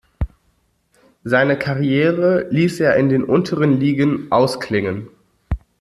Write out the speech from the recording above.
Seine Karriere ließ er in den unteren Ligen ausklingen.